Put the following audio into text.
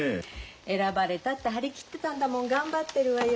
選ばれたって張り切ってたんだもん頑張ってるわよ。